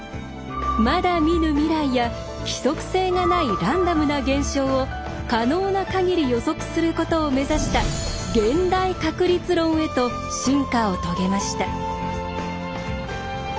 まだ見ぬ未来や規則性がないランダムな現象を可能な限り予測することを目指した「現代確率論」へと進化を遂げました。